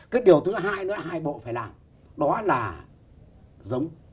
cái điều thứ hai nữa hai bộ phải làm đó là giống